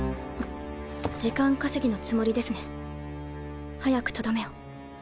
時間稼ぎのつもりですね早くとどめを。